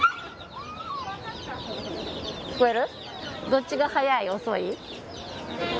どっちが速い？遅い？